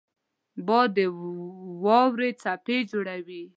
باد د واورو څپې جوړوي